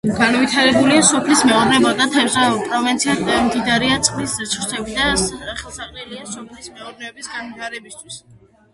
განვითარებულია სოფლის მეურნეობა და თევზაობა, პროვინცია მდიდარია წყლის რესურსებით და ხელსაყრელია სოფლის მეურნეობის განვითარებისათვის.